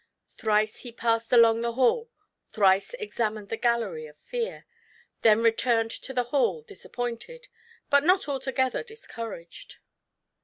Thrice he passed along the hall, thrice examined the gallery of Fear, then returned to the hall disap pointed, but not altogether discouraged.